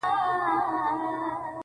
• نوره سپوږمۍ راپسي مه ږغـوه.